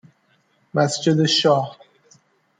مسجد شاه